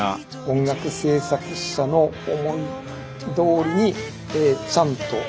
音楽制作者の思いどおりにちゃんと歌う。